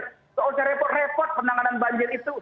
tidak usah repot repot penanganan banjir itu